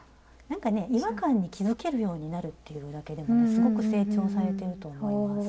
違和感に気付けるようになるっていうだけでもねすごく成長されていると思います。